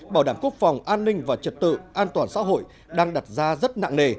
bảo đảm quốc phòng an ninh và trật tự an toàn xã hội đang đặt ra rất nặng nề